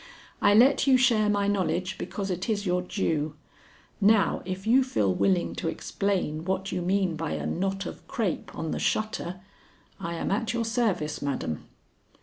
I let you share my knowledge because it is your due. Now if you feel willing to explain what you mean by a knot of crape on the shutter, I am at your service, madam."